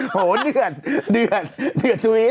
โหเดือดสวีท